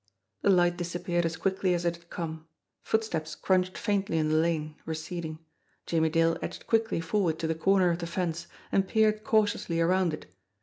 The light disappeared as quickly as it had come. Foot steps crunched faintly in the lane, receding. Jimmie Dale edged quickly forward to the corner of the fence, and peered cautiously around it.